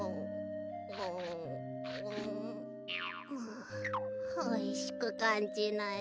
あおいしくかんじない。